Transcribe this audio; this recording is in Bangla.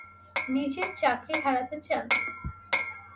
নিজের চাকরি হারাতে চান?